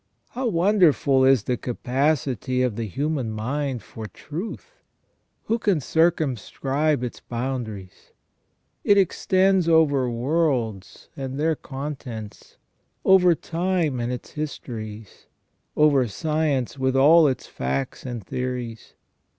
How won derful is the capacity of the human mind for truth ! Who can circumscribe its boundaries ? It extends over worlds and their contents, over time and its histories, over science with all its facts and theories.